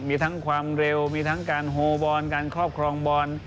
มีทั้งความเร็วมีทั้งการโฮบอลการครอบครองบอล